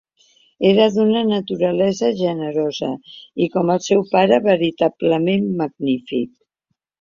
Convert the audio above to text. Era d'una naturalesa generosa i, com el seu pare, veritablement magnífic.